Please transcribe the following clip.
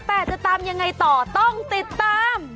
แต่จะตามยังไงต่อต้องติดตาม